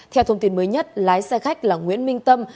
theo thông tin mới nhất lái xe khách là nguyễn minh tâm